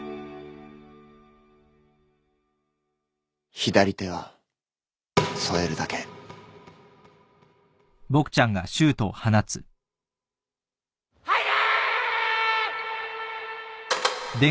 左手は添えるだけ入れ！